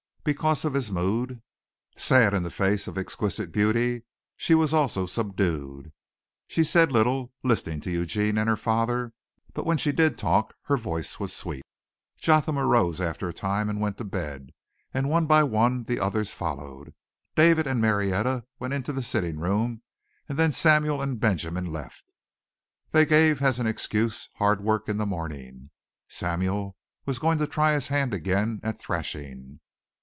Because of his mood, sad in the face of exquisite beauty, she also was subdued. She said little, listening to Eugene and her father, but when she did talk her voice was sweet. Jotham arose, after a time, and went to bed, and one by one the others followed. David and Marietta went into the sitting room and then Samuel and Benjamin left. They gave as an excuse hard work for the morning. Samuel was going to try his hand again at thrashing.